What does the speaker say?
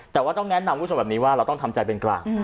แต่ว่าต้องแนะนำคุณผู้ชมแบบนี้ว่าเราต้องทำใจเป็นกลาง